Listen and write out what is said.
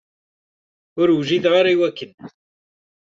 Ur wjideɣ ara i wakken.